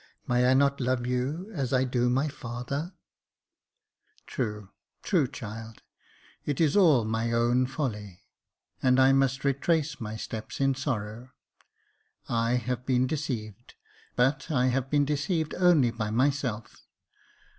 '' May I not love you as I do my father ?" "True, true, child; it is all my own folly, and I must retrace my steps in sorrow. I have been deceived — but I have been deceived only by myself.